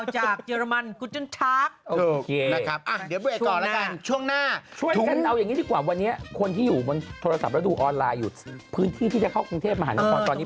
ใช่ไหมสองพันกิโลเมตรลักษณ์สมีย์มันนะใช่